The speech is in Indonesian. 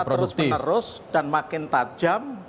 terus menerus dan makin tajam